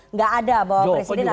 nggak ada bahwa presiden